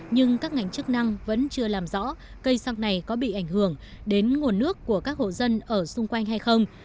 nhưng các ngành chức năng vẫn chưa làm rõ cây sạc này có bị ảnh hưởng đến nguồn nước của các hộ dân ở xung quanh hay không